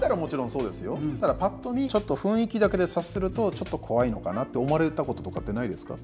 ただパッと見雰囲気だけで察するとちょっと怖いのかなって思われたこととかってないですか？